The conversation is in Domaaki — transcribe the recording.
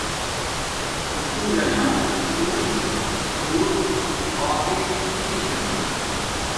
سُکول لنا اُو بوت قابل چھس سکا